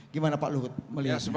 gimana pak luhut melihatnya